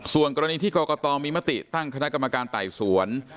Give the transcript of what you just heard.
ส่วนกรณีที่กรกตมีมติตั้งคณะกรรมการไต่สวน